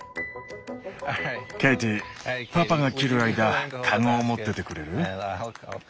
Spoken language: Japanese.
ケイティパパが切る間籠を持っててくれる？